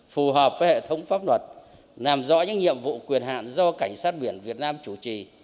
phù hợp với hệ thống pháp luật làm rõ những nhiệm vụ quyền hạn do cảnh sát biển việt nam chủ trì